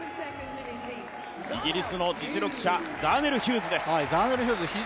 イギリスの実力者、ザーネル・ヒューズです。